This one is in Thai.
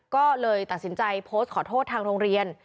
ก็เลยตัดสินใจโพสต์ขอโทษทางโรงเรียน